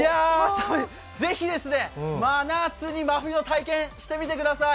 ぜひ、真夏に真冬の体験してみてください。